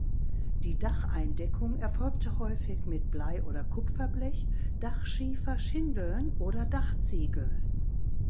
Die Dacheindeckung erfolgte häufig mit Blei- oder Kupferblech, Dachschiefer, Schindeln oder Dachziegeln.